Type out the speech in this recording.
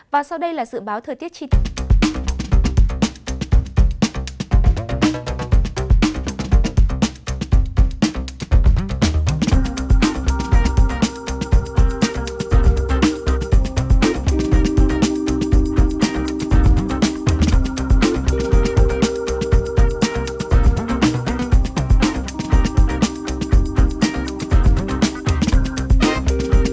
và sau đây là dự báo thời tiết chi tiết